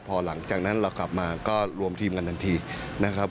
พอหลังจากนั้นเรากลับมาก็รวมทีมกันทันทีนะครับ